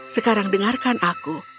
sekarang dengarkan aku